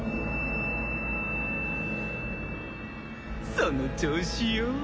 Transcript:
その調子よ